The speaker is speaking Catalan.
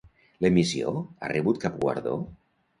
L'emissió ha rebut cap guardó?